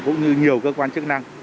cũng như nhiều cơ quan chức năng